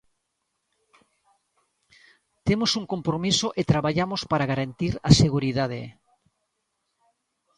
Temos un compromiso e traballamos para garantir a seguridade.